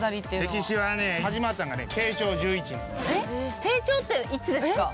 慶長っていつですか？